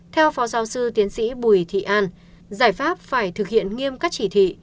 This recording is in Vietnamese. theo phó giáo sư tiến sĩ bùi thị an giải pháp phải thực hiện nghiêm các chỉ thị